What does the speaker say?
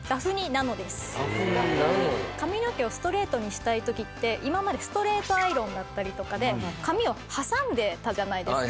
髪の毛をストレートにしたい時って今までストレートアイロンだったりとかで髪を挟んでたじゃないですか。